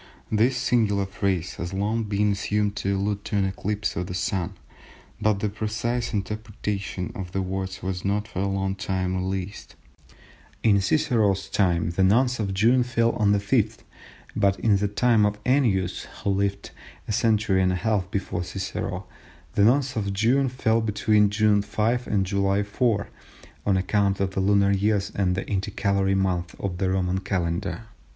This singular phrase has long been assumed to allude to an eclipse of the Sun, but the precise interpretation of the words was not for a long time realised. In Cicero's time the Nones of June fell on the 5th, but in the time of Ennius, who lived a century and a half before Cicero, the Nones of June fell between June 5 and July 4 on account of the lunar years and the intercalary month of the Roman Calendar.